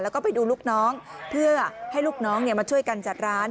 แล้วก็ไปดูลูกน้องเพื่อให้ลูกน้องมาช่วยกันจัดร้าน